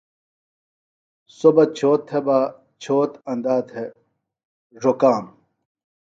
سوۡ بہ چھوت تھےۡ بہ چھوت اندا تھےۡ ڙوکانوۡ